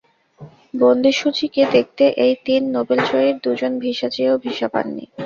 বন্দী সু চিকে দেখতে এই তিন নোবেলজয়ীর দুজন ভিসা চেয়েও ভিসা পাননি।